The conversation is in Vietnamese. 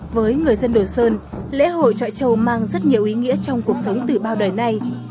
với người dân đồ sơn lễ hội trọi châu mang rất nhiều ý nghĩa trong cuộc sống từ bao đời nay